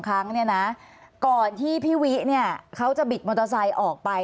ครั้งเนี่ยนะก่อนที่พี่วิเนี่ยเขาจะบิดมอเตอร์ไซค์ออกไป